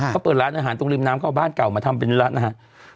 เขาเปิดร้านอาหารตรงริมน้ำเขาเอาบ้านเก่ามาทำเป็นร้านนะฮะ